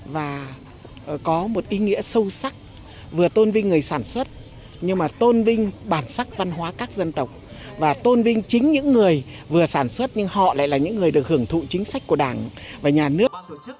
và tôn vinh chính những người vừa sản xuất nhưng họ lại là những người được hưởng thụ chính sách của đảng và nhà nước